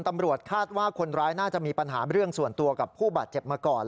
ตำรวจคาดว่าคนร้ายน่าจะมีปัญหาเรื่องส่วนตัวกับผู้บาดเจ็บมาก่อน